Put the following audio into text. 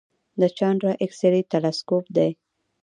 د چانډرا ایکس رې تلسکوپ دی.